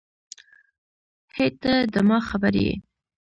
هی ته ده ما خبر یی